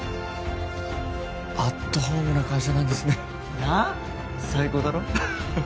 アットホームな会社なんですねなあ最高だろ？